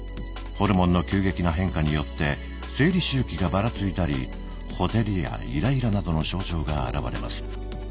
ホルモンの急激な変化によって生理周期がばらついたりほてりやイライラなどの症状が現れます。